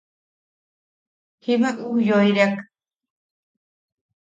Jiba ujyoireak.